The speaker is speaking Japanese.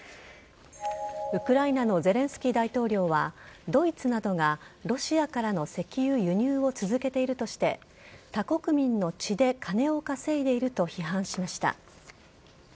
ウクライナのゼレンスキー大統領はドイツなどがロシアからの石油輸入を続けているとして他国民の血で金を稼いでいると批判しました。